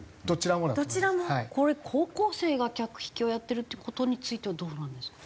これ高校生が客引きをやってるって事についてはどうなんですか？